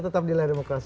tetap di lai demokrasi